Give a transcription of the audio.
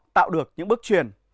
tạo được những bước chuyển